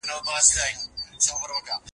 د سولي لار تل په جګړي بریا لري.